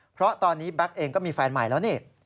เพราะตอนนี้แบ็คเองก็มีแฟนใหม่แล้วนี่